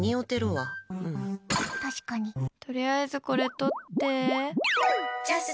とりあえずこれ取って。